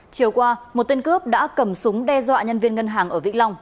chiều qua một tên cướp đã cầm súng đe dọa nhân viên ngân hàng ở vĩnh long